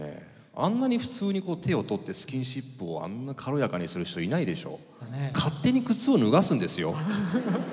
あんなに普通にこう手を取ってスキンシップをあんな軽やかにする人いないでしょ。